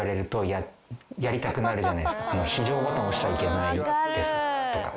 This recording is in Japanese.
非常ボタンを押しちゃいけないですとか。